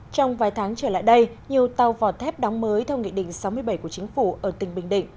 trong vài tháng trở lại đây nhiều tàu vỏ thép đóng mới theo nghị định sáu mươi bảy của chính phủ ở tỉnh bình định